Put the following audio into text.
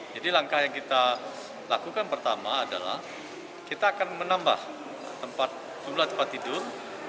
jadi langkah yang kita lakukan pertama adalah kita akan menambah jumlah tempat tidur